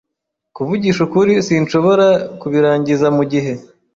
Kuvugisha ukuri, sinshobora kubirangiza mugihe.